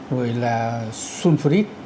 rồi là sulfuric